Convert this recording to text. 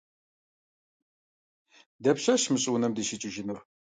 Дапщэщ мы щӀыунэм дыщикӀыжынур?